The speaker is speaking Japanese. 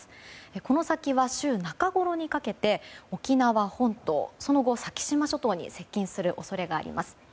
この先は週中ごろにかけて沖縄本島、その後、先島諸島に接近する恐れがあります。